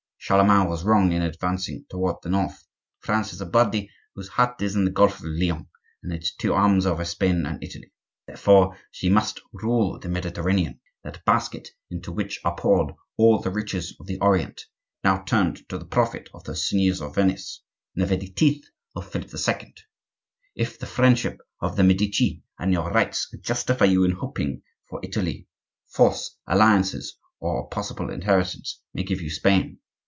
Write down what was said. Charlemagne was wrong in advancing toward the north. France is a body whose heart is on the Gulf of Lyons, and its two arms over Spain and Italy. Therefore, she must rule the Mediterranean, that basket into which are poured all the riches of the Orient, now turned to the profit of those seigneurs of Venice, in the very teeth of Philip II. If the friendship of the Medici and your rights justify you in hoping for Italy, force, alliances, or a possible inheritance may give you Spain.